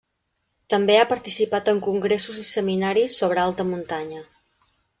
També ha participat en congressos i seminaris sobre alta muntanya.